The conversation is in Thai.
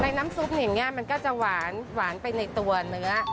ในน้ำซุปเนี่ยมันก็จะหวานหวานไปในตัวเนื้อ